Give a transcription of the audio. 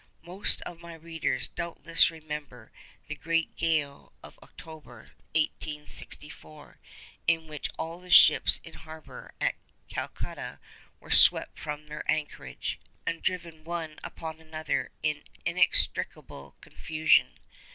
Most of my readers doubtless remember the great gale of October 1864, in which all the ships in harbour at Calcutta were swept from their anchorage, and driven one upon another in inextricable confusion.